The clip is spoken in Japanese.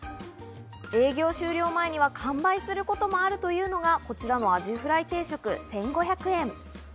営業終了前には完売することもあるというのがこちらのアジフライ定食１５００円。